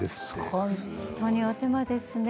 本当に、お手間ですね。